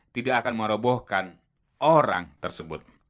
tidak akan merobohkan orang tersebut